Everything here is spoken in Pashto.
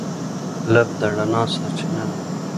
بلب د رڼا سرچینه ده.